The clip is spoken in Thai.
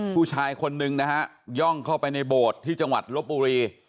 ผู้ชายคนนึงนะฮะย่องเข้าไปในโบสถ์ที่จังหวัดลบบุรี